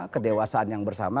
kedewasaan yang bersama